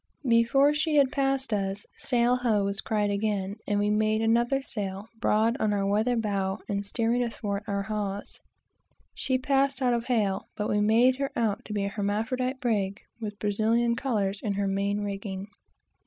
Before she had passed us, "sail ho!" was cried again, and we made another sail, far on our weather bow, and steering athwart our hawse. She passed out of hail, but we made her out to be an hermaphrodite brig, with Brazilian colors in her main rigging.